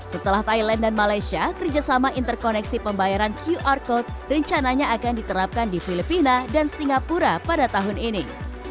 setelah thailand dan malaysia kerjasama interkoneksi pembayaran qr code rencananya akan diterapkan di filipina dan singapura pada tahun ini